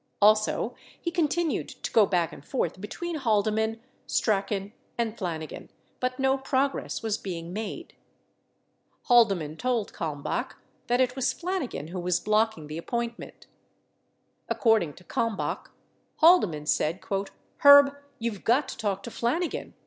Also he continued to go back and forth between Haldeman, Strachan, and Flanigan but no progress was being made. Haldeman told Kalmbach that it was Flanigan who was blocking the appointment. According to Kalmbach, Haldeman said, "Herb, you've got to talk to Flanigan.